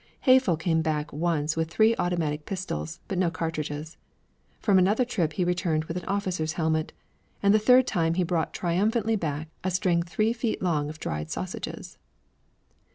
Haeffle came back once with three automatic pistols, but no cartridges; from another trip he returned with an officer's helmet; and the third time he brought triumphantly back a string three feet long of dried sausages.